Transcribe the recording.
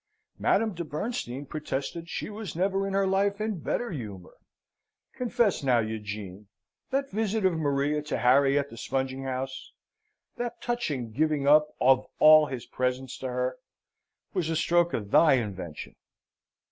Madame de Bernstein protested she was never in her life in better humour. "Confess, now, Eugene, that visit of Maria to Harry at the spunging house that touching giving up of all his presents to her, was a stroke of thy invention?"